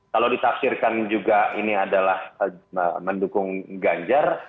kalau ditafsirkan juga ini adalah mendukung ganjar